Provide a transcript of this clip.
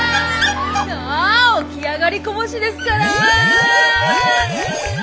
起き上がりこぼしですから。